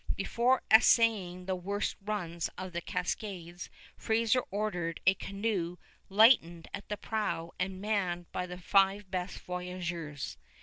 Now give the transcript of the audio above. Before essaying the worst runs of the cascades Fraser ordered a canoe lightened at the prow and manned by the five best voyageurs.